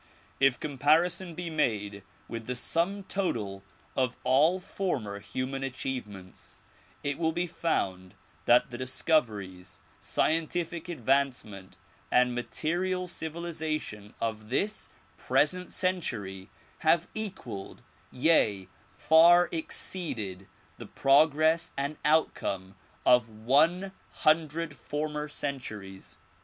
If comparison be made with the sum total of all former human achievements it will be found that the discoveries, scientific advancement and material civiliza tion of this present century have equaled, yea far exceeded the progress and outcome of one hundred former centuries.